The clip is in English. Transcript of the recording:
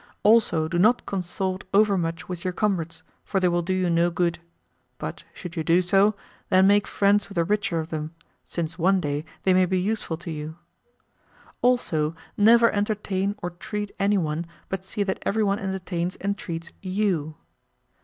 Also, do not consort overmuch with your comrades, for they will do you no good; but, should you do so, then make friends with the richer of them, since one day they may be useful to you. Also, never entertain or treat any one, but see that every one entertains and treats YOU.